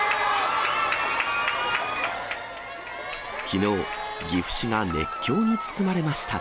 きのう、岐阜市が熱狂に包まれました。